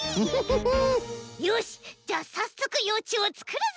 よしっじゃあさっそくようちゅうをつくるぞ！